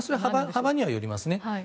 幅には寄ります。